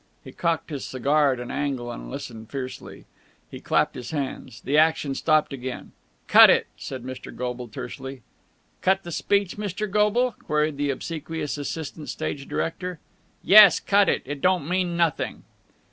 He cocked his cigar at an angle, and listened fiercely. He clapped his hands. The action stopped again. "Cut it!" said Mr. Goble tersely. "Cut the speech, Mr. Goble?" queried the obsequious assistant stage director. "Yes. Cut it. It don't mean nothing!"